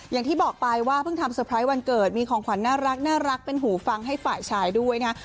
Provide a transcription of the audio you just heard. อย่างที่บอกไปว่าเพิ่งทำเตอร์ไพรส์วันเกิดมีของขวัญน่ารักเป็นหูฟังให้ฝ่ายชายด้วยนะ